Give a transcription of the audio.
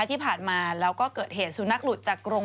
ที่ผ่านมาแล้วก็เกิดเหตุสุนัขหลุดจากกรง